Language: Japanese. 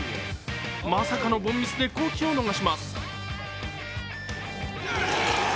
まさかの凡ミスで好機を逃します。